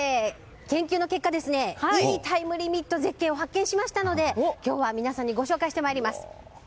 研究の結果いいタイムリミット絶景を発見しましたので今日は皆さんにご紹介してまいります。